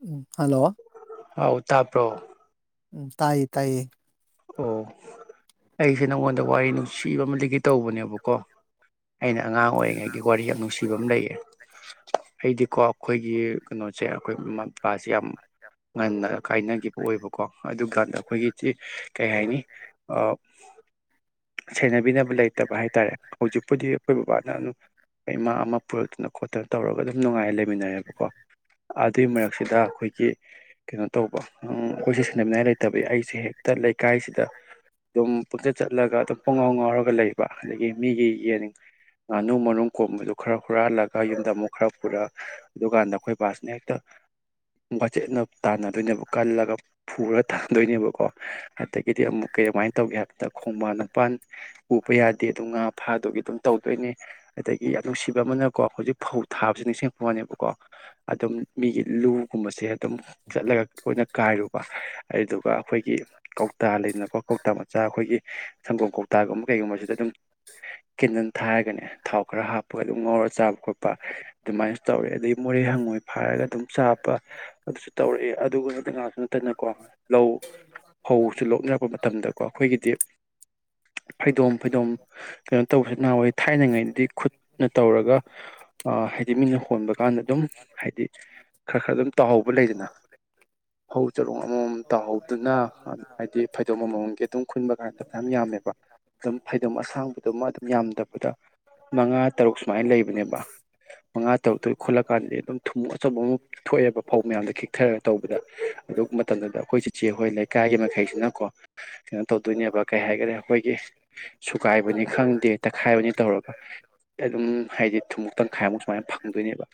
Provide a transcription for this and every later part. ꯎꯝ hello ꯍꯤꯎ ꯇꯥꯇ꯭ꯔꯣ ꯎ ꯇꯥꯏꯌꯦ ꯇꯥꯏꯌꯦ ꯑꯣ ꯑꯩꯁꯦ ꯅꯪꯉꯣꯟꯗ ꯋꯥꯔꯤ ꯅꯨꯡꯁꯤꯕ ꯑꯃ ꯂꯤꯒꯦ ꯇꯧꯕꯅꯦꯕꯀꯣ ꯑꯩꯅ ꯑꯉꯥꯡ ꯑꯣꯏꯔꯤꯉꯩꯒꯤ ꯋꯥꯔꯤ ꯌꯥꯝ ꯅꯨꯡꯁꯤꯕ ꯑꯃ ꯂꯩꯌꯦ ꯑꯩꯗꯤꯀꯣ ꯑꯈꯣꯏꯒꯤ ꯀꯩꯅꯣꯁꯦ ꯑꯈꯣꯏ ꯃꯝ ꯄꯥꯁꯦ ꯌꯥꯝ ꯉꯟꯅ ꯀꯥꯏꯅꯈꯤꯕ ꯑꯣꯏꯕꯀꯣ ꯑꯗꯨꯀꯥꯟꯗ ꯑꯩꯈꯣꯏꯒꯤꯗꯤ ꯀꯩ ꯍꯥꯏꯅꯤ ꯑ ꯁꯦꯅ ꯕꯤꯅꯕ ꯂꯩꯇꯕ ꯍꯥꯏꯇꯥꯔꯦ ꯍꯧꯖꯤꯛꯄꯨꯗꯤ ꯑꯩꯈꯣꯏ ꯕꯕꯥ ꯏꯃꯥ ꯑꯃ ꯄꯨꯔꯛꯇꯅ ꯈꯣꯠꯇꯅ ꯇꯧꯔꯒ ꯑꯗꯨꯝ ꯅꯨꯡꯉꯥꯏ ꯂꯩꯃꯤꯟꯅꯔꯦꯕꯀꯣ ꯑꯗꯨꯏ ꯃꯔꯛꯁꯤꯗ ꯑꯩꯈꯣꯏꯒꯤ ꯀꯩꯅꯣ ꯇꯧꯕ ꯎꯪ ꯑꯩꯈꯣꯏꯁꯦ ꯁꯥꯟꯅꯃꯤꯉꯥꯏ ꯂꯩꯇꯕꯩ ꯑꯩꯁꯦ ꯍꯦꯛꯇ ꯂꯩ ꯀꯥꯏꯁꯤꯗ ꯑꯗꯨꯝ ꯄꯨꯡꯆꯠ ꯆꯠꯂꯒ ꯑꯗꯨꯝ ꯄꯨꯡꯉꯥꯎ ꯉꯥꯎꯔꯒ ꯂꯩꯕ ꯑꯗꯒꯤ ꯃꯤꯒꯤ ꯌꯦꯟ ꯉꯥꯅꯨ ꯃꯔꯨꯝ ꯀꯣꯟꯕꯗꯨ ꯈꯔ ꯍꯨꯔꯥꯜꯂꯒ ꯌꯨꯝꯗ ꯑꯃꯨꯛ ꯈꯔ ꯄꯨꯔꯛ ꯑꯗꯨꯀꯥꯟꯗ ꯑꯩꯈꯣꯏ ꯕꯥꯁꯤꯅ ꯍꯦꯛꯇ ꯋꯥꯆꯦꯠꯅ ꯇꯥꯟꯅꯗꯣꯏꯅꯦꯕ ꯀꯜꯂꯒ ꯐꯨꯔꯥ ꯇꯥꯟꯗꯣꯏꯅꯦꯕꯀꯣ ꯑꯗꯒꯤꯗꯤ ꯑꯃꯨꯛ ꯀꯩꯃꯥꯏꯅ ꯇꯧꯒꯦ ꯍꯥꯏꯕꯗ ꯈꯣꯡꯕꯥꯟ ꯅꯄꯥꯟ ꯎꯕ ꯌꯥꯗꯦ ꯑꯗꯨꯝ ꯉꯥ ꯐꯥꯗꯨꯒꯤ ꯑꯗꯨꯝ ꯇꯧ ꯇꯧꯗꯣꯏꯅꯦ ꯑꯗꯒꯤ ꯌꯥꯝ ꯅꯨꯡꯁꯤꯕ ꯑꯃꯅꯀꯣ ꯍꯧꯖꯤꯛ ꯐꯧ ꯊꯥꯕꯁꯨ ꯅꯤꯡꯁꯤꯡ ꯉꯛꯄꯋꯅꯦꯕꯀꯣ ꯑꯗꯨꯝ ꯃꯤꯒꯤ ꯂꯨꯒꯨꯝꯕꯁꯦ ꯑꯗꯨꯝ ꯆꯠꯂꯒ ꯂꯣꯏꯅ ꯀꯥꯏꯔꯨꯕ ꯑꯗꯨꯗꯨꯒ ꯑꯩꯈꯣꯏꯒꯤ ꯀꯧꯇꯥ ꯂꯩꯗꯅꯀꯣ ꯀꯧꯇꯥ ꯃꯆꯥ ꯑꯩꯈꯣꯏꯒꯤ ꯁꯪꯒꯣꯝ ꯀꯧꯇꯥꯒꯨꯝꯕ ꯀꯩꯒꯨꯝꯕꯁꯤꯗ ꯑꯗꯨꯝ ꯀꯦꯟꯗꯜ ꯊꯥꯔꯒꯅꯦ ꯊꯥꯎ ꯈꯔ ꯍꯥꯞꯄꯒ ꯑꯗꯨꯝ ꯉꯧꯔ ꯆꯥꯕ ꯈꯣꯠꯄ ꯑꯗꯨꯃꯥꯏꯅ ꯇꯧꯔꯦ ꯑꯗꯩ ꯃꯨ ꯔꯦ ꯍꯪꯉꯣꯏ ꯐꯥꯔꯒ ꯑꯗꯨꯝ ꯆꯥ ꯕ ꯑꯗꯨꯁꯨ ꯇꯧꯔꯛꯑꯦ ꯑꯗꯨꯒ ꯅꯠꯇ ꯉꯥꯛꯇ ꯅꯠꯇꯅꯀꯣ ꯂꯧ ꯐꯧꯁꯨ ꯂꯣꯛꯅꯔꯛꯄ ꯃꯇꯝꯗꯀꯣ ꯑꯩꯈꯣꯏꯒꯤꯗꯤ ꯐꯩꯗꯣꯝ ꯐꯩꯗꯣꯝ ꯀꯩꯅꯣ ꯇꯧꯁꯦ ꯅꯍꯧꯋꯤ ꯊꯥꯏꯅꯉꯩꯗꯤ ꯈꯨꯠꯅ ꯇꯧꯔꯒ ꯑ ꯍꯥꯏꯗꯤ ꯃꯤꯅ ꯍꯣꯟꯕ ꯀꯥꯟꯗ ꯑꯗꯨꯝ ꯍꯥꯏꯗꯤ ꯈꯔ ꯈꯔ ꯑꯗꯨꯝ ꯇꯥꯍꯧꯕ ꯂꯩꯗꯅ ꯐꯧ ꯆꯔꯣꯡ ꯑꯃꯃꯝ ꯇꯥꯍꯧꯗꯨꯅ ꯍꯥꯏꯗꯤ ꯐꯩꯗꯣꯝ ꯑꯃ ꯃꯝꯒꯤ ꯑꯗꯨꯝ ꯈꯨꯟꯕ ꯀꯥꯟꯗ ꯐꯅꯥꯝ ꯌꯥꯝꯃꯦꯕ ꯑꯗꯨꯝ ꯐꯩꯗꯣꯝ ꯑꯁꯥꯡꯕꯗꯨꯃ ꯑꯗꯨꯝ ꯌꯥꯝ ꯗ ꯐꯨꯗ ꯃꯉꯥ ꯇꯔꯨꯛ ꯁꯨꯃꯥꯏꯅ ꯂꯩꯕꯅꯦꯕ ꯃꯉꯥ ꯇꯔꯨꯛꯇꯨꯏꯒꯤ ꯈꯨꯜꯂꯀꯥꯟꯗꯗꯤ ꯑꯗꯨꯝ ꯊꯨꯝꯃꯣꯛ ꯑꯆꯧꯕ ꯑꯃ ꯊꯣꯛꯑꯦꯕ ꯐꯧ ꯃꯌꯥꯝꯗꯣ ꯈꯤꯛꯊꯔꯥ ꯇꯧꯕꯗ ꯑꯗꯨ ꯃꯇꯝꯗꯨꯗ ꯑꯩꯈꯣꯏ ꯆꯤꯆꯦ ꯍꯣꯏ ꯂꯩ ꯀꯥꯏꯒꯤ ꯃꯈꯩꯁꯤꯅꯀꯣ ꯀꯩꯅꯣ ꯇꯧꯗꯣꯏꯅꯦꯕ ꯀꯩ ꯍꯥꯏꯒꯔꯦ ꯑꯩꯈꯣꯏꯒꯤ ꯁꯨꯒꯥꯏꯕꯅꯤ ꯈꯪꯗꯦ ꯇꯛꯈꯥꯏꯕꯅꯤ ꯇꯧꯔꯒ ꯑꯗꯨꯝ ꯍꯥꯏꯗꯤ ꯊꯨꯝꯃꯨꯛ ꯇꯪꯈꯥꯏꯃꯨꯛ ꯁꯨꯃꯥꯏꯅ ꯐꯪꯗꯣꯏꯅꯦꯕ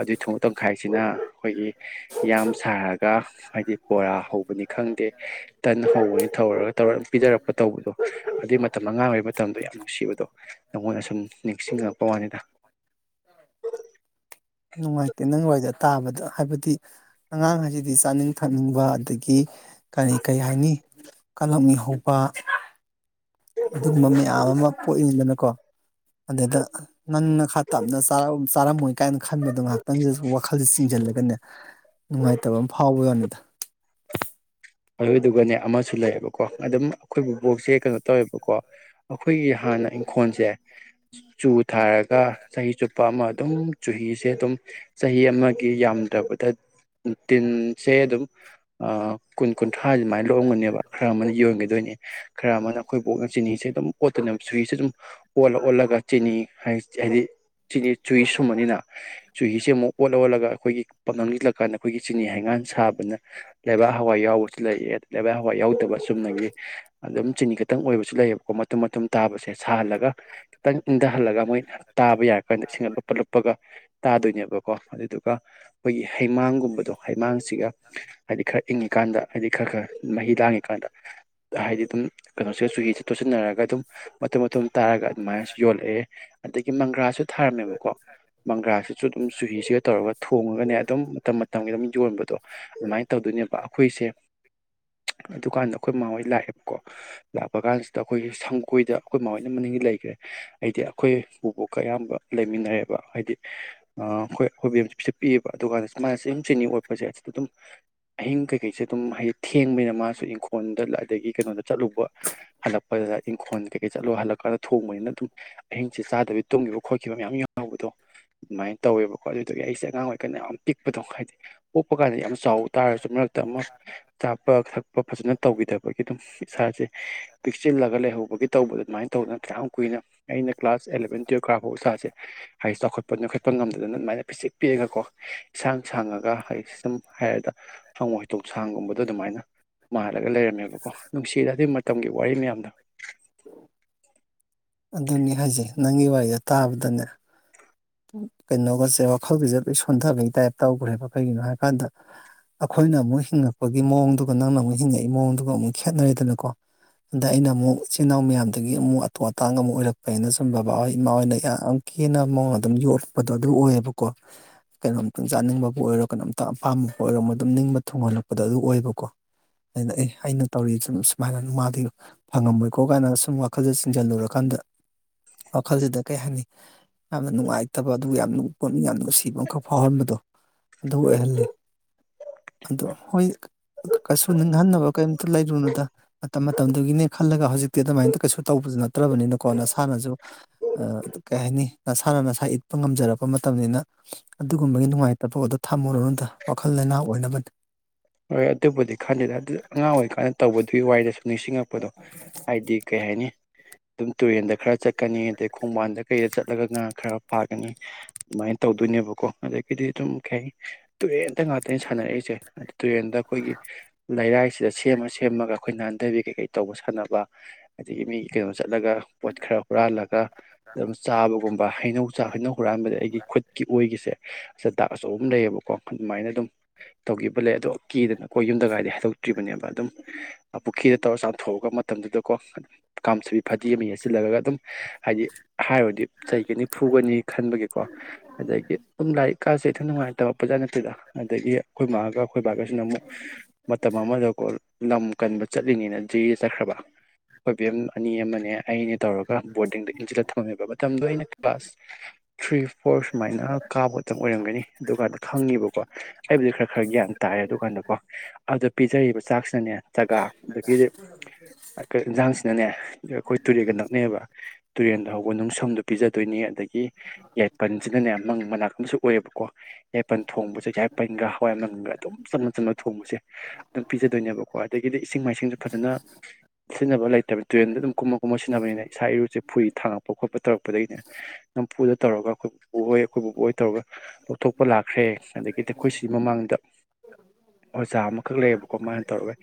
ꯑꯗꯨꯒꯤ ꯊꯨꯝꯃꯣꯛ ꯇꯪꯈꯥꯏꯁꯤꯅ ꯑꯩꯈꯣꯏꯒꯤ ꯌꯥꯝ ꯁꯥꯔꯒ ꯍꯥꯏꯗꯤ ꯕꯣꯔꯥ ꯍꯧꯕꯅꯤ ꯈꯪꯗꯦ ꯇꯟ ꯍꯧꯕꯅꯤ ꯇꯧꯔ ꯇꯧꯔ ꯄꯤꯅꯔꯛꯄ ꯇꯧꯕꯗꯣ ꯑꯗꯨꯏ ꯃꯇꯝ ꯑꯉꯥꯡ ꯑꯣꯏꯔꯤ ꯃꯇꯝꯗꯣ ꯌꯥꯝ ꯅꯨꯡꯁꯤꯕꯗꯣ ꯅꯉꯣꯟꯗ ꯑꯁꯨꯝ ꯅꯤꯡꯁꯤꯡꯉꯛꯄ ꯋꯥꯅꯤꯗ [unintelligible] ꯅꯨꯡꯉꯥꯏꯇꯦ ꯅꯪꯋꯥꯔꯤꯁꯦ ꯇꯥꯕꯗ ꯍꯥꯏꯕꯗꯤ ꯑꯉꯥꯡ ꯍꯥꯏꯁꯤꯗꯤ ꯆꯥꯅꯤꯡ ꯊꯛꯅꯤꯡꯕ ꯑꯗꯒꯤ ꯀꯔꯤ ꯀꯔꯤ ꯍꯥꯏꯅꯤ ꯀꯂꯛꯃꯤ ꯍꯧꯕ ꯀꯣ ꯑꯗꯩꯗ ꯅꯪꯅ ꯈꯔ ꯇꯞꯅ ꯆꯥꯔꯝ ꯆꯥꯔꯝꯃꯣꯏ ꯀꯥꯏꯅ ꯈꯟꯕꯗꯣ ꯉꯥꯏꯍꯥꯛꯇꯪꯁꯤꯗ ꯋꯥꯈꯜꯁꯦ ꯆꯤꯡꯁꯤꯜꯂ ꯑꯗꯒꯅꯦ ꯅꯨꯡꯉꯥꯏꯇꯕ ꯑꯃ ꯐꯥꯎꯕ ꯋꯥꯅꯤ ꯑꯗꯨꯗꯨꯒꯅꯦ ꯑꯃꯁꯨ ꯂꯩꯌꯦꯕꯀꯣ ꯑꯗꯨꯝ ꯑꯩꯈꯣꯏꯕꯨꯕꯣꯛꯁꯦ ꯀꯩꯅꯣ ꯇꯧꯋꯦꯕꯀꯣ ꯑꯩꯈꯣꯏꯒꯤꯥ ꯍꯥꯟꯅ ꯏꯪꯈꯣꯜꯁꯦ ꯆꯨ ꯊꯥꯔꯒ ꯆꯍꯤ ꯆꯨꯞꯄ ꯑꯃ ꯑꯗꯨꯝ ꯆꯨꯍꯤꯁꯦ ꯑꯗꯨꯝ ꯆꯍꯤ ꯑꯃꯒꯤ ꯌꯥꯝꯗ꯭ꯔꯕꯗ ꯇꯤꯟꯁꯦ ꯑꯗꯨꯝ ꯑ ꯀꯨꯟ ꯀꯨꯟꯊ꯭ꯔꯥꯗꯤ ꯑꯗꯨꯃꯥꯏꯅ ꯂꯥꯛꯑꯝꯒꯅꯦꯕ ꯈꯔ ꯑꯃꯅ ꯌꯣꯟꯒꯤ ꯗꯣꯢꯅꯦ ꯈꯔ ꯑꯃꯅ ꯑꯩꯈꯣꯏꯕꯣꯛꯅ ꯆꯤꯅꯤꯁꯦ ꯑꯗꯨꯝ ꯑꯣꯠꯇꯣꯢꯅꯦ ꯆꯨꯍꯤꯁꯦ ꯑꯗꯨꯝ ꯑꯣꯂ ꯑꯣꯠꯂꯒ ꯆꯤꯅꯤ ꯑꯩ ꯆꯍꯤ ꯆꯤꯅꯤ ꯆꯨꯍꯤ ꯁꯨꯝꯕꯅꯤꯅ ꯆꯨꯍꯤꯁꯦ ꯑꯃꯨꯛ ꯑꯣꯠꯂ ꯑꯣꯠꯂꯒ ꯑꯩꯈꯣꯏꯒꯤ ꯄꯞꯅꯝꯁꯤꯜꯂꯀꯥꯟꯗ ꯑꯩꯈꯣꯏꯒꯤ ꯆꯤꯅꯤ ꯍꯩꯉꯥꯟ ꯁꯥꯕꯅ ꯂꯩꯕꯥꯛ ꯍꯋꯥꯏ ꯌꯥꯎꯕꯁꯨ ꯂꯩꯑꯦ ꯂꯩꯕꯥꯛ ꯍꯋꯥꯏ ꯌꯥꯎꯗꯕ ꯆꯨꯝꯅꯒꯤ ꯑꯗꯨꯝ ꯆꯤꯅꯤ ꯈꯤꯇꯪ ꯑꯣꯏꯕꯁꯨ ꯂꯩꯌꯦꯕꯀꯣ ꯃꯇꯨꯝ ꯃꯇꯨꯝ ꯑꯗꯨꯝ ꯇꯥꯕꯁꯦ ꯁꯥꯍꯜꯂ ꯈꯤꯇꯪ ꯏꯪꯊꯍꯜꯂꯒ ꯃꯣꯏꯅ ꯇꯥꯕ ꯌꯥꯔ ꯀꯥꯟꯗ ꯏꯁꯤꯡ ꯂꯨꯞꯄ ꯂꯨꯞꯄꯒ ꯇꯥꯗꯣꯏꯅꯦꯕꯀꯣ ꯑꯗꯨꯗꯨꯒ ꯑꯩꯈꯣꯏꯒꯤ ꯍꯩꯃꯥꯡꯒꯨꯝꯕꯗꯣ ꯍꯩꯃꯥꯡꯁꯤꯒ ꯍꯥꯏꯗꯤ ꯈꯔ ꯏꯪꯉꯤꯀꯥꯟꯗ ꯍꯥꯏꯗꯤ ꯈꯔ ꯈꯔ ꯃꯍꯤ ꯂꯥꯡꯉꯤꯀꯥꯟꯗ ꯍꯥꯏꯗꯤ ꯑꯗꯨꯝ ꯀꯩꯅꯣꯁꯤꯗ ꯆꯨꯍꯤ ꯇꯣꯠꯁꯤꯟꯅꯔꯒ ꯑꯗꯨꯝ ꯃꯇꯨꯝ ꯃꯇꯨꯝ ꯇꯥꯔꯒ ꯑꯗꯨꯃꯥꯏꯅ ꯌꯣꯜꯂꯛꯑꯦ ꯑꯗꯒꯤ ꯃꯪꯒ꯭ꯔꯥꯁꯨ ꯊꯥꯔꯝꯃꯦꯕꯀꯣ ꯃꯪꯒ꯭ꯔꯥꯁꯤꯁꯨ ꯑꯗꯨꯝ ꯆꯨꯍꯤꯁꯤꯒ ꯇꯧꯔꯒ ꯊꯣꯡꯉꯒꯅꯦ ꯑꯗꯨꯝ ꯃꯇꯝ ꯃꯇꯝꯒꯤ ꯑꯗꯨꯝ ꯌꯣꯟꯕꯗꯣ ꯑꯗꯨꯃꯥꯏꯅ ꯇꯧꯗꯣꯏꯅꯦꯕ ꯑꯩꯈꯣꯏꯁꯦ ꯑꯗꯨꯀꯥꯟꯗ ꯑꯩꯈꯣꯏ ꯃꯥꯍꯣꯏ ꯂꯥꯛꯑꯦꯕꯀꯣ ꯂꯥꯛꯄ ꯀꯥꯟꯁꯤꯗ ꯑꯩꯈꯣꯏꯒꯤ ꯁꯪꯒꯣꯏꯗ ꯑꯩꯈꯣꯏ ꯃꯥꯍꯣꯏꯅ ꯃꯅꯤꯡꯒꯤ ꯂꯩꯈ꯭ꯔꯦ ꯍꯥꯏꯗꯤ ꯑꯩꯈꯣꯏ ꯕꯨꯕꯣꯛꯀ ꯑꯌꯥꯝꯕ ꯂꯩꯃꯤꯟꯅꯔꯦꯕ ꯍꯥꯏꯗꯤ ꯑ ꯑꯩꯈꯣꯏ ꯄꯤꯁꯛ ꯄꯤꯏꯑꯕ ꯑꯗꯨꯀꯥꯟꯗ ꯑꯃꯥꯡꯑꯁꯦꯡ ꯆꯤꯅꯤ ꯑꯣꯠꯄꯁꯦ ꯑꯗꯨꯝ ꯑꯍꯤꯡ ꯀꯩꯀꯩꯁꯦ ꯑꯗꯨꯝ ꯍꯥꯏꯗꯤ ꯊꯦꯡꯕꯅꯤꯅ ꯃꯥꯁꯨ ꯏꯪꯈꯣꯜꯗ ꯑꯗꯒꯤ ꯀꯩꯅꯣꯗ ꯆꯠꯂꯨꯕ ꯍꯜꯂꯛꯄꯗ ꯏꯪꯈꯣꯟ ꯀꯩ ꯀꯩ ꯆꯠꯂꯨ ꯍꯜꯂꯛꯀ ꯊꯣꯡꯕꯅꯤꯅ ꯑꯗꯨꯝ ꯑꯍꯤꯡꯁꯦ ꯆꯥꯗꯕꯤ ꯇꯨꯝꯈꯤꯕ ꯈꯣꯠꯈꯤꯕ ꯃꯌꯥꯝ ꯌꯥꯎꯕꯗꯣ ꯑꯗꯨꯃꯥꯏꯅ ꯇꯧꯋꯦꯕ ꯍꯣꯏ ꯑꯗꯨꯗꯨꯗꯒꯤ ꯑꯩꯁꯦ ꯑꯉꯥꯡ ꯑꯣꯏꯔꯤꯀꯥꯟꯗ ꯌꯥꯝ ꯄꯤꯛꯄꯗꯣ ꯍꯥꯏꯗꯤ ꯄꯣꯛꯄ ꯀꯥꯟꯗ ꯌꯥꯝ ꯆꯥꯎꯋꯤ ꯇꯥꯔꯁꯨ ꯃꯔꯛꯇ ꯑꯃꯨꯛ ꯆꯥꯕ ꯊꯛꯄ ꯐꯖꯅ ꯇꯧꯕꯤꯗꯕꯒꯤ ꯑꯗꯨꯝ ꯏꯁꯥꯁꯦ ꯄꯤꯛꯁꯤꯜꯂꯒ ꯂꯩꯍꯧꯕꯒꯤ ꯇꯧꯕꯗ ꯑꯗꯨꯃꯥꯏꯅ ꯇꯧꯗꯅ ꯀꯌꯥꯝ ꯀꯨꯏꯅ ꯑꯩ ꯑꯩꯅ ꯀ꯭ꯂꯥꯁ ꯑꯦꯂꯦꯕꯦꯟ ꯇꯨꯌꯦꯜꯕ ꯀꯥꯐꯥꯎ ꯏꯁꯥꯁꯦ ꯍꯥꯏ ꯆꯥꯎꯈꯠꯄ ꯅꯣꯏꯈꯠꯄ ꯉꯝꯗꯅ ꯑꯗꯨꯃꯥꯏꯅ ꯄꯤꯁꯛ ꯄꯤꯛꯑꯒꯀꯣ ꯏꯁꯥ ꯁꯥꯡꯉꯒ ꯍꯥꯏꯗꯤ ꯁꯨꯝ ꯍꯥꯏꯔꯗ ꯍꯪꯉꯣꯏ ꯇꯣꯡ ꯁꯥꯡꯒꯨꯝꯕꯗꯣ ꯑꯗꯨꯃꯥꯏꯅ ꯃꯥꯜꯂꯒ ꯂꯩꯔꯝꯃꯦꯕꯀꯣ ꯅꯨꯡꯁꯤꯗ ꯑꯗꯨ ꯃꯇꯝꯒꯤ ꯋꯥꯔꯤ ꯃꯌꯥꯝꯗꯣ ꯑꯗꯨꯅꯤ ꯍꯥꯏꯖꯦ ꯅꯪꯒꯤ ꯋꯥꯔꯤꯁꯦ ꯇꯥꯕꯗꯅꯦ ꯀꯩꯅꯣꯒꯁꯦ ꯋꯥꯈꯜꯗꯁꯦ ꯂꯣꯏ ꯁꯣꯟꯊꯕꯒꯤ ꯇꯥꯏꯞ ꯇꯧꯈ꯭ꯔꯦꯕ ꯀꯩꯒꯤꯅꯣ ꯍꯥꯏ ꯀꯥꯟꯗ ꯑꯩꯈꯣꯏꯅ ꯑꯃꯨꯛ ꯍꯤꯡꯉꯛꯄꯒꯤ ꯃꯑꯣꯡꯗꯨꯒ ꯅꯪꯅ ꯑꯃꯨꯛ ꯍꯤꯡꯉꯛꯏꯕ ꯃꯑꯣꯡꯗꯨꯒ ꯑꯃꯨꯛ ꯈꯦꯠꯅꯔꯦꯗꯅꯀꯣ ꯑꯗ ꯑꯩꯅ ꯑꯃꯨꯛ ꯏꯆꯤꯜ ꯏꯅꯥꯎ ꯃꯌꯥꯝꯗꯒꯤ ꯑꯃꯨꯛ ꯑꯇꯣꯞ ꯑꯇꯥꯡ ꯑꯃꯨꯛ ꯑꯣꯏꯔꯛꯄꯅ ꯁꯨꯝ ꯕꯕꯥ ꯍꯣꯏ ꯏꯃꯥ ꯍꯣꯏꯅ ꯌꯥꯝ ꯈꯦꯅꯕ ꯃꯑꯣꯡꯗ ꯑꯗꯨꯝ ꯌꯣꯛꯄꯗꯣ ꯑꯗꯨ ꯑꯣꯏꯌꯦꯕꯀꯣ ꯀꯩꯅꯣꯝꯇꯪ ꯆꯥꯅꯤꯡꯕꯕꯨ ꯑꯣꯏꯔꯣ ꯀꯩꯅꯣꯝꯇꯪ ꯑꯄꯥꯝꯕꯕꯨ ꯑꯣꯏꯔꯣ ꯃꯣꯏ ꯑꯗꯨꯝ ꯅꯤꯡꯕ ꯊꯨꯡꯍꯜꯂꯛꯄꯗꯣ ꯑꯗꯨ ꯑꯣꯏꯌꯦꯕꯀꯣ ꯑꯩꯅ ꯑꯦ ꯑꯩꯅ ꯇꯧꯔꯤ ꯁꯨꯝ ꯁꯨꯃꯥꯏꯅ ꯃꯥꯗꯤ ꯐꯪꯉꯝꯃꯣꯏꯀꯣ ꯀꯥꯏꯅ ꯁꯨꯝ ꯋꯥꯈꯜꯁꯦ ꯆꯤꯡꯁꯤꯜꯂꯨꯔꯀꯥꯟꯗ ꯗ ꯋꯥꯈꯜꯁꯤ ꯑꯗ ꯀꯩ ꯍꯥꯏꯅꯤ ꯑꯅ ꯅꯨꯡꯉꯥꯏꯇꯕ ꯑꯗꯨꯒ ꯌꯥꯝꯅ ꯅꯨꯡ ꯄꯣꯠꯅꯤꯡ ꯌꯥꯝꯅ ꯅꯨꯡꯁꯤꯕ ꯑꯃꯈꯛ ꯐꯥꯎꯍꯟꯕꯗꯣ ꯑꯗꯨ ꯑꯣꯏꯍꯜꯂꯤ ꯑꯗꯣ ꯍꯣꯏ ꯀꯩꯁꯨ ꯅꯤꯡꯍꯟꯅꯕ ꯀꯩꯝꯇ ꯂꯩꯔꯨꯅꯨꯗ ꯃꯇꯝ ꯃꯇꯝꯗꯨꯒꯤꯅꯦ ꯈꯜꯂꯒ ꯍꯧꯖꯤꯛꯇꯤ ꯑꯗꯨꯃꯥꯏꯅ ꯀꯩꯁꯨ ꯇꯧꯕ ꯑꯗꯨ ꯅꯠꯇ꯭ꯔꯕꯅꯤꯅꯀꯣ ꯅꯁꯥꯅꯁꯨ ꯑ ꯀꯩ ꯍꯥꯏꯅꯤ ꯅꯁꯥꯅ ꯅꯁꯥ ꯏꯠꯄ ꯉꯝꯖꯔꯛꯄ ꯃꯇꯝꯅꯤꯅ ꯑꯗꯨꯒꯨꯝꯕꯒꯤ ꯅꯨꯡꯉꯥꯏꯇꯕꯗꯣ ꯊꯝꯃꯨꯔꯨꯅꯗ ꯋꯥꯈꯜ ꯂꯩ ꯂꯩꯅꯥ ꯑꯣꯏꯅꯕꯅꯤ ꯍꯣꯏ ꯑꯗꯨꯕꯨꯗꯤ ꯈꯟꯗꯦꯗ ꯑꯗꯨ ꯑꯉꯥꯡ ꯑꯣꯏꯔꯤꯀꯥꯟꯗ ꯇꯧꯕꯗꯨꯒꯤ ꯋꯥꯔꯤꯗꯣ ꯁꯨꯝ ꯅꯤꯡꯁꯤꯡꯉꯄ ꯄꯗꯣ ꯍꯥꯏꯗꯤ ꯀꯩ ꯍꯥꯏꯅꯤ ꯗꯨꯝ ꯇꯨꯔꯦꯟꯗ ꯈꯔ ꯆꯠꯀꯅꯤ ꯑꯗꯩ ꯈꯣꯡꯕꯥꯟꯗ ꯀꯩꯗ ꯆꯠꯂꯒ ꯉꯥ ꯈꯔ ꯐꯥꯒꯅꯤ ꯃꯥꯏ ꯇꯧꯗꯣꯏꯅꯦꯕꯀꯣ ꯑꯗꯒꯤꯗꯤ ꯑꯗꯨꯝ ꯀꯩꯍꯥꯏꯅꯤ ꯇꯨꯔꯦꯟꯗ ꯉꯥꯛꯇꯅꯦ ꯁꯥꯟꯅꯔꯛꯏꯁꯦ ꯇꯨꯔꯦꯟꯗ ꯑꯩꯈꯣꯏꯒꯤ ꯂꯩꯔꯥꯏꯁꯤꯗ ꯁꯦꯝꯃ ꯁꯦꯝꯃꯒ ꯑꯩꯈꯣꯏ ꯅꯥꯟꯗꯕꯤ ꯀꯩꯀꯩ ꯇꯧꯕ ꯁꯥꯟꯅꯕ ꯑꯗꯒꯤ ꯃꯤꯒꯤ ꯀꯩꯅꯣ ꯆꯠꯂꯒ ꯄꯣꯠ ꯈꯔ ꯍꯨꯔꯥꯜꯂꯒ ꯑꯗꯨꯝ ꯆꯥꯕꯒꯨꯝꯕ ꯍꯩꯅꯧ ꯍꯩꯅꯧ ꯍꯨꯔꯥꯟꯕꯗ ꯑꯩꯒꯤ ꯈꯨꯠ ꯀꯤ ꯑꯣꯏꯒꯤꯁꯦ ꯑꯁꯗ ꯗꯥꯛ ꯑꯆꯧꯕ ꯑꯝ ꯂꯩꯌꯦꯕꯀꯣ ꯑꯗꯨꯃꯥꯏꯅ ꯑꯗꯨꯝ ꯇꯧꯈꯤꯕ ꯂꯩ ꯑꯗꯣ ꯀꯤꯗꯅ ꯑꯩꯈꯣꯏ ꯌꯨꯝꯗ ꯒꯗꯤ ꯍꯥꯏꯗꯣꯛꯇ꯭ꯔꯤꯕꯅꯦꯕ ꯑꯗꯨꯝ ꯄꯨꯈ꯭ꯔꯤꯗ ꯇꯧꯔ ꯆꯥꯝꯊꯣꯛꯑꯒ ꯃꯇꯝꯗꯨꯗꯀꯣ ꯀꯥꯝꯁꯨꯕꯤ ꯐꯗꯤ ꯑꯃ ꯌꯦꯠꯁꯤꯜꯂꯒ ꯑꯗꯨꯝ ꯍꯥꯏꯗꯤ ꯍꯥꯏꯔꯣꯗꯤ ꯆꯩꯒꯅꯤ ꯐꯨꯒꯅꯤ ꯈꯟꯕꯒꯤꯀꯣ ꯑꯗꯒꯤ ꯑꯗꯨꯝ ꯂꯥꯏꯔꯤꯛ ꯀꯥꯥꯁꯦ ꯈꯤꯇ ꯅꯨꯡꯉꯥꯏ ꯇꯝꯃꯛꯄ ꯅꯠꯇꯦꯗ ꯑꯗꯒꯤ ꯑꯩꯈꯣꯏ ꯃꯥꯒ ꯑꯩꯈꯣꯏꯕꯒꯁꯤꯅ ꯑꯃꯨꯛ ꯃꯇꯝ ꯑꯃꯗꯀꯣ ꯂꯝ ꯀꯟꯕ ꯆꯠꯂꯤꯅꯦꯅ ꯖꯤꯔꯤꯗ ꯆꯠꯈ꯭ꯔꯕ ꯑꯈꯣꯏꯕꯦꯝ ꯑꯅꯤ ꯑꯃꯅꯦ ꯑꯩꯅꯦ ꯇꯧꯔꯒ ꯕꯣꯔꯗꯤꯡꯗ ꯏꯟꯖꯤꯜꯂ ꯊꯝꯃꯦꯕ ꯇꯝꯗꯣ ꯑꯩꯅ ꯀ꯭ꯂꯥꯁ ꯊ꯭ꯔꯤ ꯐꯣꯔ ꯁꯨꯃꯥꯏꯅ ꯀꯥꯕꯇꯪ ꯑꯣꯏꯔꯝꯒꯅꯤ ꯑꯗꯨ ꯀꯥꯟꯗ ꯈꯪꯉꯤꯕꯀꯣ ꯑꯩꯕꯨꯗꯤ ꯈꯔ ꯈꯔ ꯒ꯭ꯌꯥꯟ ꯇꯥꯏ ꯑꯗꯨꯀꯥꯟꯗꯀꯣ ꯑꯗꯨꯗ ꯄꯤꯖꯔꯤꯕ ꯆꯥꯛꯁꯤꯅꯅꯦ ꯆꯒꯥ ꯑꯗꯒꯤ ꯑ ꯀꯩ ꯏꯟꯖꯥꯡꯁꯤꯅꯅꯦ ꯑꯩꯈꯣꯏ ꯇꯨꯔꯦꯟꯒ ꯅꯛꯅꯩꯕ ꯇꯨꯔꯦꯜꯗ ꯍꯧꯕ ꯅꯨꯡꯁꯝꯗꯨ ꯄꯤꯖꯗꯣꯏꯅꯦ ꯑꯗꯒꯤ ꯌꯥꯏꯄꯟꯁꯤꯅꯅꯦ ꯃꯪ ꯃꯅꯥꯛꯇꯁꯨ ꯑꯣꯏꯌꯦꯕꯀꯣ ꯌꯥꯏꯄꯟ ꯊꯣꯡꯕꯁꯦ ꯌꯥꯏ ꯄꯟꯒ ꯍꯋꯥꯏ ꯃꯪꯒ ꯑꯗꯨꯝ ꯆꯝꯅ ꯆꯝꯅ ꯊꯣꯡꯕꯁꯦ ꯑꯗꯨꯝ ꯄꯤꯖꯗꯣꯏꯅꯦꯕꯀꯣ ꯑꯗꯒꯤꯗꯤ ꯏꯁꯤꯡ ꯃꯥꯏꯁꯤꯡꯁꯨ ꯐꯖꯅ ꯁꯤꯖꯤꯟꯅꯕ ꯂꯩꯇꯕ ꯇ꯭ꯔꯦꯟꯗ ꯑꯗꯨꯝ ꯀꯨꯝꯃ ꯀꯨꯝꯃ ꯁꯤꯟꯅꯕꯅꯤꯅ ꯏꯁꯥ ꯏꯔꯨꯁꯦ ꯐꯨꯔꯤ ꯊꯥꯡꯉꯛꯄ ꯈꯣꯠꯄ ꯇꯧꯔꯛꯄꯗꯩꯅꯦ ꯗꯨꯝ ꯐꯨꯗ ꯇꯧꯔꯒ ꯑꯈꯣꯏꯄꯨꯄꯨꯍꯣꯏ ꯑꯈꯣꯏ ꯕꯨꯕꯣꯛꯍꯣꯏ ꯇꯧꯔꯒ ꯂꯧꯊꯣꯛꯄ ꯂꯥꯛ ꯍꯩꯌꯦ ꯑꯗꯒꯤꯗꯤ ꯑꯩꯈꯣꯏꯁꯤ ꯃꯃꯥꯡꯗ ꯑꯣꯖꯥ ꯑꯃ ꯈꯛ ꯂꯩꯌꯦꯕꯀꯣ ꯃꯥꯅ ꯇꯧꯔꯒ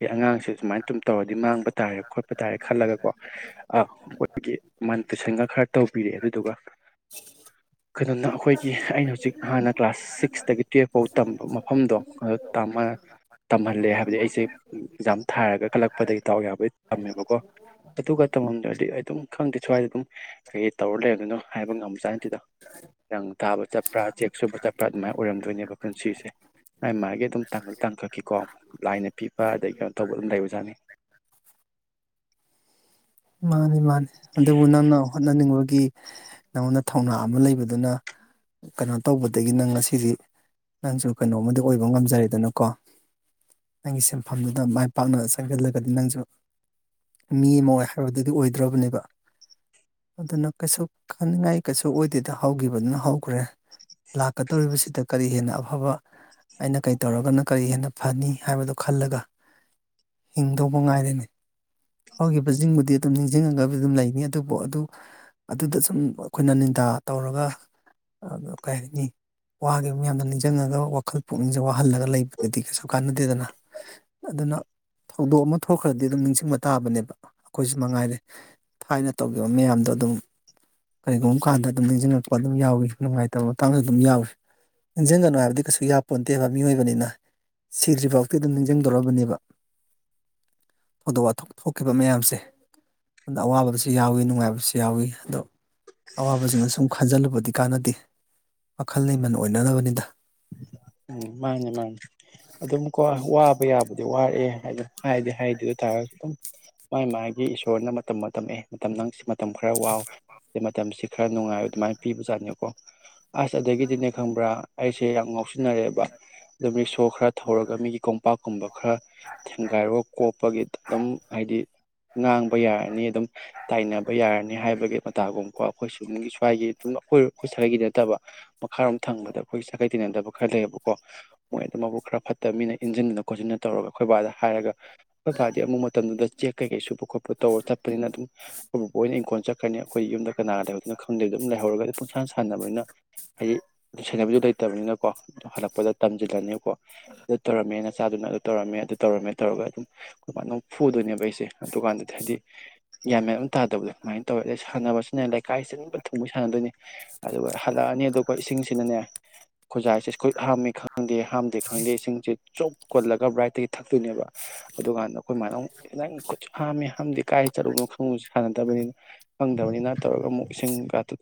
ꯑꯦ ꯑꯉꯥꯡꯁꯦ ꯁꯨꯃꯥꯏꯅ ꯇꯨꯝ ꯇꯧꯔꯗꯤ ꯃꯥꯡꯕ ꯇꯥꯔꯦ ꯈꯣꯠꯄ ꯇꯥꯔꯦ ꯈꯜꯂꯒꯀꯣ ꯑ ꯃꯣꯏꯒꯤ ꯃꯟ ꯇꯨꯏꯁꯟꯒ ꯈꯔ ꯇꯧꯕꯤꯔꯦ ꯑꯗꯨꯗꯨꯒ [inaudible] ꯀꯩꯅꯣꯅ ꯑꯩꯈꯣꯏꯒꯤ ꯑꯩꯅ ꯍꯨꯖꯤꯛ ꯍꯥꯟꯅ ꯀ꯭ꯂꯥꯁ ꯁꯤꯛꯁꯇꯒꯤ ꯇꯨꯌꯦꯜꯞꯐꯥꯎ ꯇꯝꯕ ꯗꯣꯛ ꯑ ꯇꯝꯃ ꯇꯝꯍꯜꯂꯦ ꯍꯥꯏꯕꯗꯤ ꯑꯩꯁꯦ ꯑꯦꯛꯖꯥꯝ ꯊꯥꯔꯒ ꯈꯜꯂꯛꯄꯗꯒꯤ ꯗꯥꯎ ꯌꯥꯕꯩ ꯇꯝꯃꯦꯕꯀꯣ ꯑꯗꯨꯒ ꯇꯝꯃꯝꯗ꯭ꯔꯗꯤ ꯑꯩ ꯑꯗꯨꯝ ꯈꯪꯗꯦ ꯁ꯭ꯋꯥꯏꯗ ꯑꯗꯨꯝ ꯀꯩꯩ ꯇꯧꯔ ꯂꯩꯔꯝꯗꯨꯅꯣ ꯍꯥꯏꯕ ꯉꯝꯕꯖꯥꯠꯅꯥꯠ ꯅꯇꯦꯗ ꯔꯪ ꯇꯥꯕ ꯆꯠꯄ꯭ꯔꯥ ꯆꯦꯛ ꯁꯨꯕ ꯆꯠꯄ꯭ꯔꯥ ꯑꯗꯨꯃꯥꯏꯅ ꯑꯣꯏꯔꯝꯗꯣꯏꯅꯦꯕ ꯄꯨꯟꯁꯤꯁꯦ ꯃꯥꯏ ꯃꯥꯒꯤ ꯑꯗꯨꯝ ꯇꯥꯡꯀꯛ ꯇꯥꯡꯀꯛꯀꯤꯀꯣ ꯂꯥꯏꯅ ꯄꯤꯕ ꯑꯗꯒꯤ ꯀꯩꯅꯣ ꯇꯧꯕ ꯑꯗꯨꯝ ꯂꯩꯕꯖꯥꯠꯅꯤ ꯃꯥꯅꯤ ꯃꯥꯅꯤ ꯑꯗꯨꯕꯨ ꯅꯪꯅ ꯍꯣꯠꯅꯅꯤꯡꯕꯒꯤ ꯅꯪꯉꯣꯟꯗ ꯊꯧꯅ ꯑꯃ ꯂꯩꯕꯗꯨꯅ ꯀꯅꯣ ꯇꯧꯕꯗꯒꯤ ꯅꯪ ꯉꯁꯤꯗꯤ ꯅꯪꯁꯨ ꯀꯩꯅꯣꯝꯃꯗꯤ ꯑꯣꯏꯕ ꯉꯝꯖꯔꯦꯗꯅꯀꯣ ꯅꯪꯒꯤ ꯁꯤꯟꯐꯝꯗꯨꯗ ꯃꯥꯏ ꯄꯥꯛꯅ ꯆꯪꯖꯜꯂꯒꯗꯤ ꯅꯪꯁꯨ ꯃꯤ ꯑꯃ ꯑꯣꯏ ꯍꯥꯏꯕꯗꯨꯗꯤ ꯑꯣꯏꯗ꯭ꯔꯣꯕꯅꯦꯕ ꯑꯗꯨꯅ ꯀꯩꯁꯨ ꯈꯟꯅꯤꯡꯉꯥꯏ ꯀꯩꯁꯨ ꯑꯣꯏꯗꯦꯗ ꯍꯧꯈꯤꯕꯗꯨꯅ ꯍꯧꯈ꯭ꯔꯦ ꯂꯥꯛꯀꯗꯧꯔꯤꯕꯁꯤꯗ ꯀꯔꯤ ꯍꯦꯟꯅ ꯑꯐꯕ ꯑꯩꯅ ꯀꯩ ꯇꯧꯔꯒꯅ ꯀꯔꯤ ꯍꯦꯟꯅ ꯐꯅꯤ ꯍꯥꯏꯕꯗꯨꯣ ꯈꯜꯂꯒ ꯍꯤꯡꯗꯧꯕ ꯉꯥꯏꯔꯦꯅꯦ ꯍꯧꯈꯤꯕꯁꯤꯡꯕꯨꯗꯤ ꯑꯗꯨꯝ ꯅꯤꯡꯖꯤꯡꯉꯕꯨꯗꯤ ꯑꯗꯨꯝ ꯂꯩꯅꯤ ꯑꯗꯨꯕꯨ ꯑꯗꯨ ꯑꯗꯨꯗ ꯁꯨꯝ ꯑꯩꯈꯣꯏꯅ ꯅꯤꯟꯗ ꯇꯧꯔꯒ ꯀꯩ ꯍꯥꯏꯅꯤ ꯋꯥꯒꯤ ꯃꯤꯌꯥꯝꯗꯣ ꯅꯤꯡꯖꯪꯉꯒ ꯋꯥꯈꯜ ꯄꯨꯛꯅꯤꯡꯁꯦ ꯋꯥꯍꯜꯂꯒ ꯂꯩꯕꯗꯗꯤ ꯀꯩꯁꯨ ꯀꯥꯟꯅꯗꯦꯗꯅ ꯑꯗꯨꯅ ꯊꯧꯗꯣꯛ ꯑꯃ ꯊꯣꯛꯈ꯭ꯔꯗꯤ ꯑꯗꯨꯝ ꯅꯤꯡꯁꯤꯡ ꯃ ꯇꯥꯕꯅꯦꯕ ꯑꯩꯈꯣꯏꯁꯨ ꯃꯉꯥꯏꯔꯦ ꯊꯥꯏꯅ ꯇꯧꯈꯤꯕ ꯃꯌꯥꯝꯗꯣ ꯑꯗꯨꯝ ꯀꯩꯒꯨꯝ ꯀꯥꯟꯗ ꯑꯗꯨꯝ ꯅꯤꯡꯖꯤꯡꯉꯛꯄ ꯑꯗꯨꯝ ꯌꯥꯎꯏ ꯅꯨꯡꯉꯥꯏꯇꯕ ꯃꯇꯥꯡꯁꯨ ꯑꯗꯨꯝ ꯌꯥꯎꯏ ꯅꯤꯡꯖꯤꯡꯒꯅꯨ ꯍꯥꯏꯕꯗꯤ ꯀꯩꯁꯨ ꯌꯥꯄꯣꯟꯇꯦꯕ ꯃꯤꯑꯣꯏꯕꯅꯤꯅ ꯁꯤꯗ꯭ꯔꯤꯐꯥꯎꯇꯤ ꯑꯗꯨꯝ ꯅꯤꯡꯖꯤꯡꯗꯣꯔꯕꯅꯦꯕ ꯊꯧꯗꯣꯛ ꯋꯥꯊꯣꯛ ꯊꯣꯛꯈꯤꯕ ꯃꯌꯥꯝꯁꯦ ꯑꯗꯨꯗ ꯑꯋꯥꯕꯁꯨ ꯌꯥꯎꯋꯤ ꯅꯨꯡꯉꯥꯏꯕꯁꯨ ꯌꯥꯎꯏ ꯑꯗꯣ ꯑꯋꯥꯕꯁꯤꯡꯗꯣ ꯁꯨꯝ ꯈꯟꯖꯤꯜꯂꯨꯕꯗꯤ ꯀꯥꯟꯅꯗꯦ ꯋꯥꯈꯜ ꯂꯩꯃꯟ ꯑꯣꯏꯅꯅꯕꯅꯤꯗ ꯎꯝ ꯃꯥꯅꯤ ꯃꯥꯅꯤ ꯑꯗꯨꯝꯀꯣ ꯋꯥꯕ ꯌꯥꯕꯗꯤ ꯋꯥꯔꯦ ꯑꯦ ꯍꯥꯏꯅ ꯍꯥꯏꯗꯤ ꯍꯥꯏꯍꯩꯗꯦ ꯑꯗꯨ ꯇꯥꯔꯁꯨ ꯑꯗꯨꯝ ꯃꯥꯥꯏ ꯃꯥꯒꯤ ꯏꯁꯣꯔꯅ ꯃꯇꯝ ꯇꯝꯃꯛꯑꯦ ꯃꯇꯝ ꯅꯪ ꯁꯤꯃ ꯃꯇꯝ ꯈꯔ ꯋꯥꯎ ꯑꯗꯩ ꯃꯇꯝꯁꯤ ꯈꯔ ꯅꯨꯡꯉꯥꯏꯌꯨ ꯑꯗꯨꯃꯥꯏꯅ ꯄꯤꯕꯖꯥꯠꯅꯤꯀꯣ ꯑꯁ ꯑꯗꯨꯗꯒꯤꯗꯤꯅꯦ ꯈꯪꯕ꯭ꯔꯥ ꯑꯩꯁꯦ ꯌꯥꯝ ꯉꯥꯎꯁꯤ ꯅꯔꯦꯕ ꯑꯗꯨꯣ ꯔꯤꯛꯁꯣ ꯈꯔ ꯊꯧꯔꯒ ꯃꯤꯒꯤ ꯀꯣꯝꯄꯥꯛꯀꯨꯝꯕ ꯈꯔ ꯊꯦꯡꯒꯥꯏꯔꯨꯔꯒ ꯀꯣꯞꯄꯒꯤ ꯑꯗꯨꯝ ꯍꯥꯏꯗꯤ ꯉꯥꯡꯕ ꯌꯥꯔꯅꯤ ꯑꯗꯨꯝ ꯇꯥꯏꯅꯕ ꯌꯥꯔꯅꯤ ꯍꯥꯏꯕꯒꯤ ꯃꯠ ꯃꯇꯥꯒꯨꯝꯀꯣ ꯑꯩꯈꯣꯏꯁꯨꯒꯤ ꯁ꯭ꯋꯥꯏꯒꯤ ꯑꯗꯨꯝ ꯑꯩꯈꯣꯏ ꯑꯩꯈꯣꯏ ꯁꯥꯒꯩꯒꯤ ꯅꯠꯇꯕ ꯃꯈꯥꯔꯣꯝ ꯊꯪꯕꯗ ꯑꯩꯈꯣꯏ ꯁꯥꯒꯩ ꯇꯤꯟꯅꯗꯕ ꯈꯔ ꯂꯩꯩꯑꯦꯕꯀꯣ ꯃꯣꯏ ꯑꯗꯨ ꯃꯕꯨꯛ ꯈꯔ ꯐꯠꯇꯕ ꯃꯤꯅ ꯏꯟꯖꯤꯟꯗꯅ ꯈꯣꯠꯆꯟꯅ ꯇꯧꯔꯒ ꯑꯩꯈꯣꯏ ꯕꯥꯗ ꯍꯥꯏꯔꯒ ꯑꯩꯈꯣꯏ ꯕꯥꯗꯤ ꯑꯃꯨꯛ ꯃꯇꯝꯗꯨꯗ ꯆꯦꯛ ꯀꯩꯀꯩ ꯁꯨꯕ ꯈꯣꯠꯄ ꯇꯧꯔ ꯆꯠ ꯄꯅꯤꯅ ꯑꯗꯨꯝ ꯑꯈꯣꯢ ꯕꯣꯕꯣꯛ ꯍꯣꯏꯅ ꯏꯪꯈꯣꯜ ꯆꯠꯈ꯭ꯔꯅꯤ ꯑꯩꯈꯣꯏ ꯌꯨꯝꯗ ꯀꯅꯥꯒ ꯂꯩꯍꯧꯗꯣꯢꯅꯣ ꯈꯪꯗꯕꯤꯗ ꯑꯗꯨꯝ ꯂꯩꯍꯧꯔꯒ ꯄꯨꯡꯁꯥꯟ ꯁꯥꯟꯅꯕꯅꯤꯅ ꯍꯥꯏꯗꯤ ꯁꯦꯅꯕꯤꯅꯕꯁꯨ ꯂꯩꯇꯕꯅꯤꯅ ꯀꯣ ꯑꯗꯨ ꯍꯜꯂꯛꯄꯗ ꯇꯝꯁꯤꯜꯂꯅꯤꯕꯀꯣ ꯑꯗꯨ ꯇꯧꯔꯝꯃꯦ ꯅꯆꯥꯗꯨꯅ ꯑꯗꯨ ꯇꯧꯔꯝꯃꯦ ꯑꯗꯨ ꯇꯧꯔꯝꯃꯦ ꯇꯧꯔꯒ ꯑꯗꯨꯝ ꯑꯈꯣꯢ ꯕꯥꯅꯃꯨꯛ ꯐꯨꯗꯣꯏꯅꯦꯕ ꯑꯩꯁꯦ ꯗꯨꯀꯥꯟꯗꯗꯤ ꯍꯥꯏꯗꯤ ꯒ꯭ꯌꯥꯟꯃꯦꯟ ꯑꯃ ꯇꯥꯗꯕꯗꯣ ꯑꯗꯨꯃꯥꯏꯅ ꯇꯧꯋꯦ ꯑꯗꯩ ꯁꯥꯟꯅꯕ ꯁꯤꯅ ꯂꯩꯀꯥꯏꯁꯤꯟꯕ ꯊꯨꯡꯉꯩ ꯁꯥꯟꯅꯗꯣꯏꯅꯦ ꯑꯗꯨꯒ ꯍꯜꯂꯛꯑꯅꯤ ꯑꯗꯨꯒ ꯏꯁꯤꯡꯁꯤꯅꯅꯦ ꯈꯨꯖꯥꯏꯁꯦ ꯈꯨꯠ ꯍꯥꯝꯃꯤ ꯈꯪꯗꯦ ꯍꯥꯝꯗꯦ ꯈꯪꯗꯦ ꯏꯁꯤꯡꯁꯦ ꯆꯨꯞ ꯀꯣꯜꯂꯒ ꯕ꯭ꯔꯥꯏꯠꯇꯒꯤ ꯊꯛꯇꯣꯏꯅꯦꯕ ꯑꯗꯨ ꯀꯥꯟꯗ ꯑꯩꯈꯣꯏ ꯃꯥꯅ ꯅꯪ ꯈꯨꯠꯁꯨ ꯍꯥꯝꯃꯦ ꯍꯥꯝꯗꯦ ꯀꯥꯏ ꯆꯠꯂꯨꯅꯣ ꯈꯪꯅꯁꯨ ꯁꯥꯟꯅꯗꯕꯅꯤꯅ ꯈꯪꯗꯕ ꯇꯧꯕꯅꯤꯅ ꯇꯧꯔꯒ ꯑꯃꯨꯛ ꯏꯁꯤꯡꯒ ꯇꯨ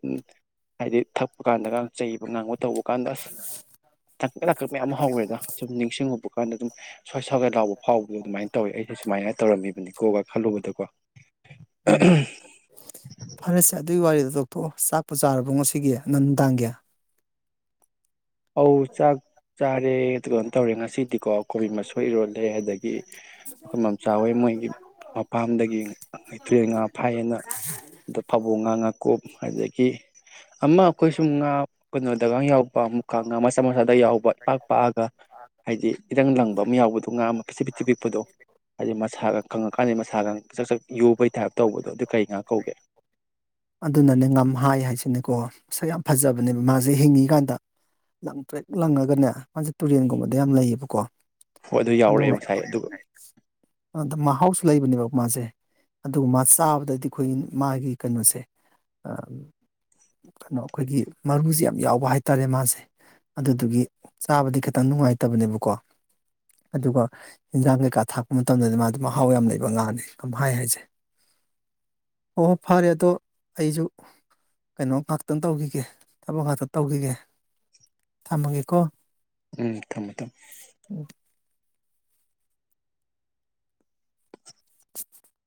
ꯍꯥꯏꯗꯤ ꯊꯛꯄ ꯀꯥꯟꯗꯒ ꯆꯩꯕ ꯉꯥꯡꯕ ꯇꯧꯕ ꯀꯥꯟꯗ ꯑꯁ [inaudible] ꯇꯥꯡꯀꯛ ꯇꯥꯡꯀꯛ ꯃꯌꯥꯝ ꯑꯃ ꯍꯧꯋꯦꯗ ꯁꯨꯝ ꯅꯤꯡꯁꯤꯡꯉꯨꯕ ꯀꯥꯟꯗ ꯑꯗꯨꯝ ꯁ꯭ꯋꯥꯏ ꯁ꯭ꯋꯥ ꯂꯥꯎꯕ ꯐꯥꯎꯕꯗꯣ ꯑꯗꯨꯃꯥꯏꯅ ꯇꯧꯋꯦ ꯑꯩꯁꯨ ꯁꯨꯃꯥꯏꯅ ꯇꯧꯔꯝꯃꯤꯕꯅꯤꯀꯣꯒ ꯈꯜꯂꯨꯕꯗꯀꯣ ꯎꯝ ꯐꯥꯔꯦꯁꯦ ꯑꯗꯨꯒꯤ ꯋꯥꯔꯤꯗꯣ ꯇꯣꯛꯊꯣꯛꯑꯣ ꯆꯥꯛꯄꯨ ꯆꯥꯔꯕꯣ ꯉꯁꯤꯒꯤ ꯅ ꯅꯨꯡꯗꯥꯡꯒꯤ ꯑꯧ ꯆꯥꯛ ꯆꯥꯔꯦ ꯑꯗꯨꯒ ꯀꯩꯅꯣ ꯇꯧꯔꯦ ꯉꯁꯤꯗꯤꯀꯣ ꯑꯈꯣꯢ ꯀꯣꯕꯤ ꯃꯁꯣꯏ ꯏꯔꯣꯜꯂꯦ ꯑꯗꯒꯤ ꯑꯩꯈꯣꯏ ꯃꯥꯝꯆꯥꯍꯣꯢ ꯏꯃꯨꯡ [unintelligible] ꯃꯄꯥꯝꯗꯒꯤ [unintelligible] ꯉꯥ ꯐꯥꯏꯑꯦꯅ ꯑꯗꯣ ꯐꯕꯧ ꯉꯥ ꯉꯥꯀꯨꯞ ꯑꯗꯒꯤ ꯑꯃ ꯑꯩꯈꯣꯏ ꯁꯨꯝ ꯉꯥ ꯀꯩꯅꯣꯗꯒ ꯌꯥꯎꯕ ꯃꯨ ꯀꯥꯡꯉꯥ ꯃꯆꯥ ꯃꯆꯥꯗ ꯌꯥꯎꯕ ꯏꯄꯥꯛ ꯄꯥꯛꯑꯒ ꯍꯥꯏꯗꯤ ꯏꯔꯪ ꯂꯪꯕ ꯑꯃ ꯌꯥꯎꯕꯗꯣ ꯉꯥ ꯑꯃ ꯄꯤꯁꯛ ꯄꯤꯁꯛ ꯄꯤꯛꯄꯗꯣ ꯍꯥꯏꯗꯤ ꯃꯁꯥꯒ ꯀꯪꯉꯛꯀꯥꯟꯗ ꯃꯁꯥꯒ ꯆꯛ ꯆꯛ ꯌꯨꯕꯩ ꯇꯥꯏꯞ ꯇꯧꯕꯗꯣ ꯑꯗꯨ ꯀꯔꯤ ꯉꯥ ꯀꯧꯒꯦ ꯑꯗꯨꯅꯅꯦ ꯉꯝꯍꯥꯏ ꯍꯥꯏꯁꯤꯅꯦꯀꯣ ꯃꯁꯛ ꯌꯥꯝ ꯐꯖꯕꯅꯦꯕ ꯃꯥꯁꯦ ꯍꯤꯡꯉꯤꯀꯥꯟꯗ ꯂꯪꯇ꯭ꯔꯤꯛ ꯂꯪꯉꯒꯅꯦ ꯃꯥꯁꯦ ꯇꯨꯔꯦꯟꯒꯨꯝꯕꯗ ꯌꯥꯝ ꯂꯩꯌꯦꯕꯀꯣ ꯍꯣꯏ ꯑꯗꯨ ꯌꯥꯎꯔꯛꯑꯦ ꯑꯗꯨꯒ ꯉꯁꯥꯏ ꯑꯗꯨꯒ ꯑꯗꯨ ꯃꯥ ꯃꯍꯥꯎꯁꯨ ꯂꯩꯕꯅꯦꯕ ꯃꯥꯁꯦ ꯑꯗꯨꯒ ꯃꯥ ꯆꯥꯕꯗꯗꯤ ꯑꯩꯈꯣꯏ ꯃꯥꯒꯤ ꯀꯩꯅꯣꯁꯦ ꯑ ꯀꯩꯅꯣ ꯑꯩꯈꯣꯏꯒꯤ ꯃꯔꯨꯁꯦ ꯌꯥꯝ ꯌꯥꯎꯕ ꯍꯥꯏꯇꯥꯔꯦ ꯃꯥꯁꯦ ꯑꯗꯨꯗꯨꯒꯤ ꯆꯥꯕꯗꯤ ꯈꯤꯠꯇꯪ ꯅꯨꯡꯉꯥꯏꯇꯕꯅꯦꯕꯀꯣ ꯑꯗꯨꯒ ꯏꯟꯖꯥꯡ ꯀꯩꯀꯥ ꯊꯥꯛꯄ ꯃꯇꯝꯗꯗꯤ ꯃꯥꯗꯤ ꯃꯍꯥꯎ ꯌꯥꯝ ꯂꯩꯕ ꯉꯥꯅꯤ ꯉꯝꯍꯥꯏ ꯍꯥꯏꯁꯦ ꯑꯣ ꯐꯔꯦ ꯑꯗꯣ ꯑꯩꯁꯨ ꯀꯩꯅꯣ ꯉꯍꯥꯛꯇꯪ ꯇꯧꯈꯤꯒꯦ ꯊꯕꯛ ꯉꯍꯥꯛꯇꯪ ꯇꯧꯈꯤꯒꯦ ꯊꯝꯃꯒꯦꯀꯣ ꯎꯝ ꯊꯝꯃꯣ ꯊꯝꯃꯣ [inaudible]